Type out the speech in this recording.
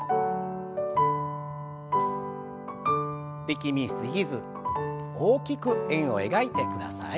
力み過ぎず大きく円を描いてください。